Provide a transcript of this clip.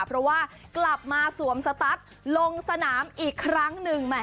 เพราะว่ากลับมาสวมสตัสลงสนามอีกครั้งหนึ่ง